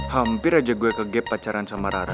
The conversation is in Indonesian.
hampir aja gue ke gap pacaran sama rara